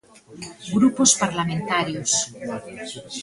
Grupos parlamentarios.